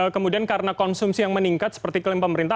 kemudian karena konsumsi yang meningkat seperti klaim pemerintah